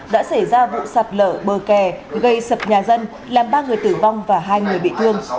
đã xảy ra vụ sạt lở bờ kè gây sập nhà dân làm ba người tử vong và hai người bị thương